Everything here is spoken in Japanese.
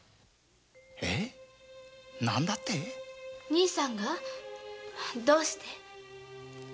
兄さんがどうして？